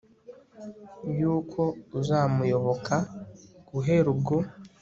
y'uko uzamuyoboka, guhera ubwo